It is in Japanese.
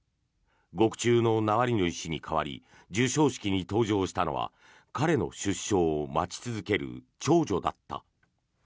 獄中のナワリヌイ氏に代わり授賞式に登場したのは彼の出所を待ち続ける長女だった。